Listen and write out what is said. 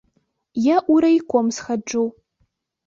Я ў райком схаджу.